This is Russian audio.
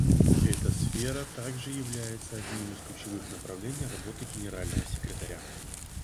Эта сфера также является одним из ключевых направлений работы Генерального секретаря.